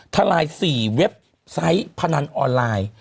ทลาย๔เว็บไซต์พนันออนไลน์